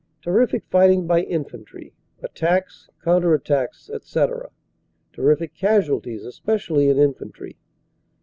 Terrific fight ing by Infantry; attacks, counter attacks, etc.; terrific casual ties, especially in Infantry.